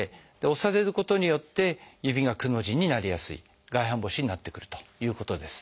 押されることによって指がくの字になりやすい外反母趾になってくるということです。